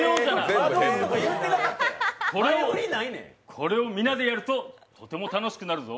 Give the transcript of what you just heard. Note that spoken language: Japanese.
これを皆でやるととても楽しくなるぞ。